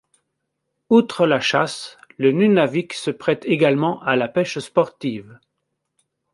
Outre la chasse, le Nunavik se prête également à la pêche sportive.